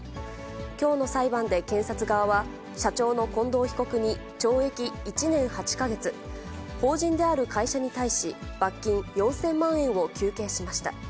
きょうの裁判で検察側は、社長の近藤被告に懲役１年８か月、法人である会社に対し罰金４０００万円を求刑しました。